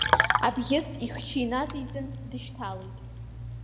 Абӷьыц ихчы инаҵеиҵан, дышьҭалеит.